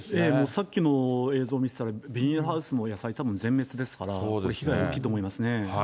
さっきの映像見てたら、ビニールハウスも、野菜たぶん全滅ですから、これ、被害大きいと思いますね。